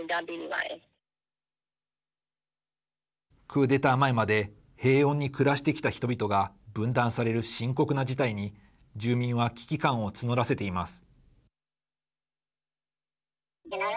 クーデター前まで平穏に暮らしてきた人々が分断される深刻な事態に住民は危機感を募らせています。